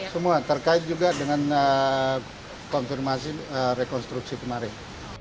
semua terkait juga dengan konfirmasi rekonstruksi kemarin